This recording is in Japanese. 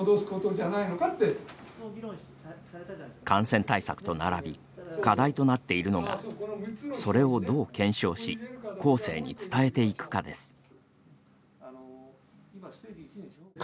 感染対策と並び課題となっているのがそれをどう検証し後世に伝えていくかです。